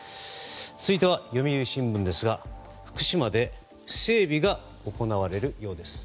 続いては読売新聞ですが福島で整備が行われるようです。